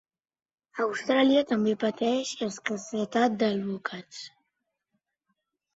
Austràlia també pateix escassetat d’alvocats.